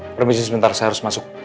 permisi sebentar saya harus masuk